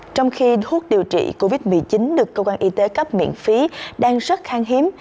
trong khi thuốc điều trị covid một mươi chín được cơ quan y tế cấp miễn phí đang rất khang hiếm